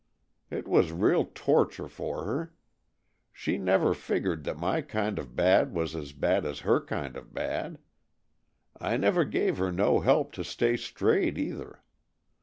It was real torture for her. She never fig gered that my kind of bad was as bad as her kind of bad. I never gave her no help to stay straight, either.